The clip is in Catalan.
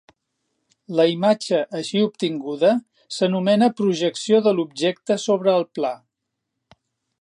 La imatge així obtinguda s'anomena projecció de l'objecte sobre el pla.